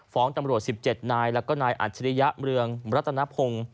ฟ้องตำรวจ๑๗นายและก็นายอาจริยเรืองมรัฐนพงศ์